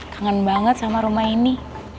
kangen banget sama rumah ini